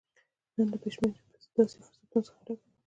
نړۍ له بې شمېره داسې فرصتونو څخه ډکه ده